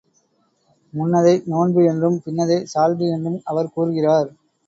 முன்னதை நோன்பு என்றும், பின்னதை சால்பு என்றும் அவர் கூறுகிறார்.